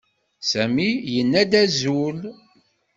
Sami yenna-d azul.